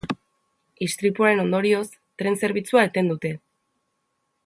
Istripuaren ondorioz, tren zerbitzua eten dute.